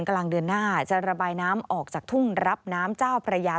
กลางเดือนหน้าจะระบายน้ำออกจากทุ่งรับน้ำเจ้าพระยา